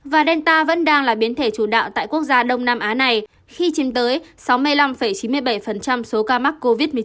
và delta vẫn đang là biến thể chủ đạo tại quốc gia đông nam á này khi chiếm tới sáu mươi năm chín mươi bảy số ca mắc covid một mươi chín